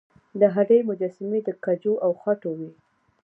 د هډې مجسمې د ګچو او خټو وې